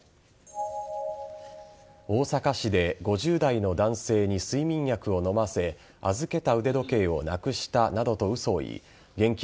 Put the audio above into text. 大阪市で５０代の男性に睡眠薬を飲ませ預けた腕時計をなくしたなどと嘘を言い現金